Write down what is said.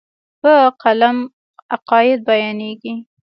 په قلم عقاید بیانېږي.